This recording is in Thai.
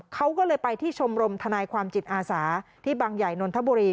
เขาก็เลยไปที่ชมรมทนายความจิตอาสาที่บางใหญ่นนทบุรี